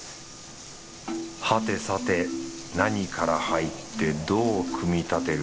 はてさて何から入ってどう組み立てる？